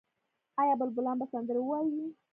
آیا بلبلان به سندرې ووايي؟